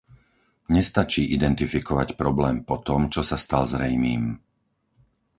Nestačí identifikovať problém potom, čo sa stal zrejmým.